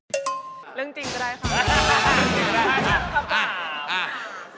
เรื่องจริงก็ได้ค่ะ